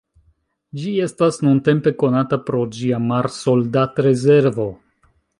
Ĝi estas nuntempe konata pro ĝia marsoldat-rezervo.